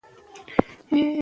زموږ قالینې ارزښت لري.